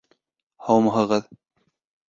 — Һаумыһығыҙ?